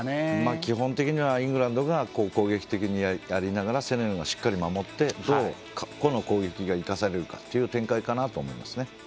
基本的にはイングランドが攻撃的にやりながらセネガルもしっかり守ってこの攻撃が生かされるかという展開かなと思います。